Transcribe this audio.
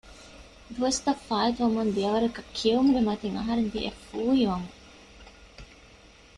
ދުވަސްތަށް ފާއިތުވަމުން ދިޔަ ވަރަކަށް ކިޔެވުމުގެ މަތިން އަހަރެން ދިޔައީ ފޫހިވަމުން